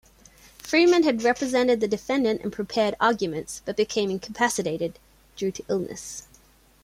Freeman had represented the defendant and prepared arguments, but became incapacitated due to illness.